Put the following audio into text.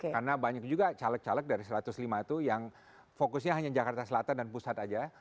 karena banyak juga caleg caleg dari satu ratus lima itu yang fokusnya hanya jakarta selatan dan pusat aja